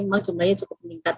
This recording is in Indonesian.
memang jumlahnya cukup meningkat